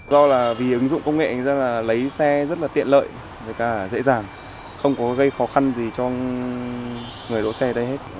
do là vì ứng dụng công nghệ lấy xe rất là tiện lợi dễ dàng không có gây khó khăn gì cho người đổ xe đấy hết